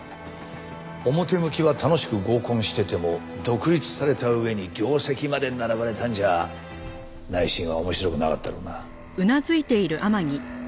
表向きは楽しく合コンしてても独立された上に業績まで並ばれたんじゃ内心は面白くなかったろうな。